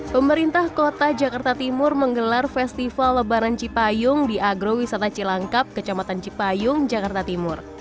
pemerintah kota jakarta timur menggelar festival lebaran cipayung di agrowisata cilangkap kecamatan cipayung jakarta timur